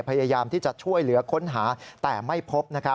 พยายามที่จะช่วยเหลือค้นหาแต่ไม่พบ